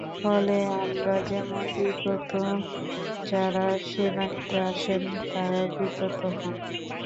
ফলে আমরা যেমন বিব্রত, যাঁরা সেবা নিতে আসেন, তাঁরাও বিব্রত হন।